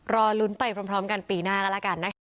รอลุ้นไปพร้อมกันปีหน้าก็แล้วกันนะคะ